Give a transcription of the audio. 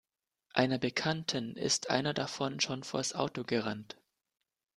Einer Bekannten ist einer davon schon vors Auto gerannt.